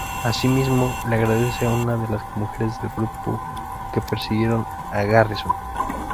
Asimismo, le agradece a una de las mujeres del grupo que persiguieron a Garrison.